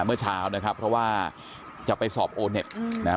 เมื่อเช้านะครับเพราะว่าจะไปสอบโอเน็ตนะครับ